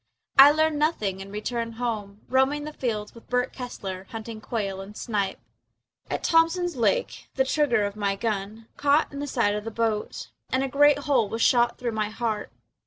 I learned nothing and returned home, Roaming the fields with Bert Kessler, Hunting quail and snipe. At Thompson's Lake the trigger of my gun Caught in the side of the boat And a great hole was shot through my heart.